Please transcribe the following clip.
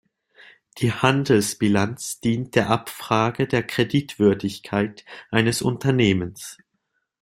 Die Handelsbilanz dient der Abfrage der Kreditwürdigkeit eines Unternehmens.